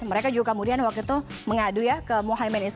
mereka juga kemudian waktu itu mengadu ya ke mohaimin